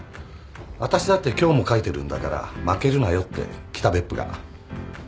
「私だって今日も書いてるんだから負けるなよ」って北別府が